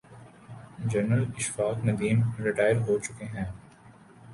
General Ashfaq Nadeem retire ہو چکے ہیں۔